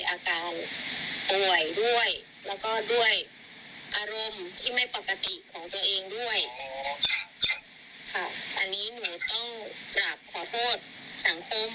กลับขอโทษวงการพระพุทธศาสนานะคะ